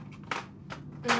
うん。